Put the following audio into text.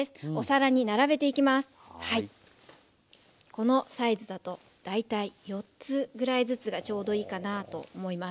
このサイズだと大体４つぐらいずつがちょうどいいかなと思います。